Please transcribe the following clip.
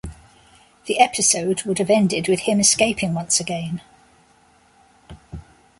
The episode would have ended with him escaping once again.